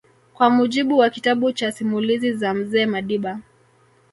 Kwa mujibu wa kitabu cha Simulizi za Mzee Madiba